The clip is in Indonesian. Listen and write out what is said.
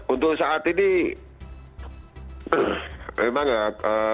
untuk saat ini memang ya